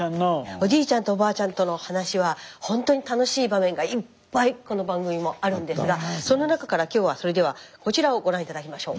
おじいちゃんとおばあちゃんとの話はほんとに楽しい場面がいっぱいこの番組もあるんですがその中から今日はそれではこちらをご覧頂きましょう。